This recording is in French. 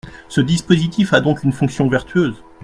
Ce dispositif a donc une fonction vertueuse.